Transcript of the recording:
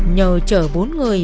nhờ chở bốn người